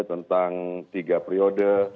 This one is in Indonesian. tentang tiga periode